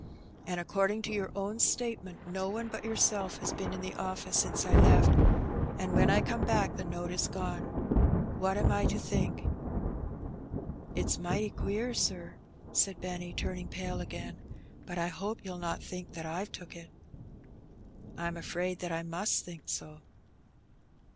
And, according to your own statement, no one but yourself has been in the office since I left, and when I come back the note is gone. What am I to think?'' ''It's mighty queer, sir," said Benny, turning pale again; "but I hope you'll not think that I've took it." " I'm afraid that I must think so."